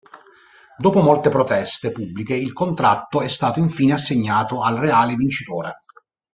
Dopo molte proteste pubbliche il contratto è stato infine assegnato al reale vincitore.